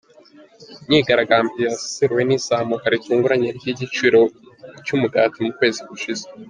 Imyigaragambyo yaseruwe n'izamuka ritunguranye ry'igiciro cy'umugati mu kwezi gushize.